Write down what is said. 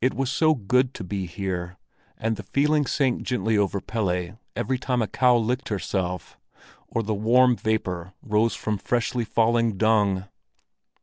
It was so good to be here, and the feeling sank gently over Pelle every time a cow licked herself, or the warm vapor rose from freshly falling dung.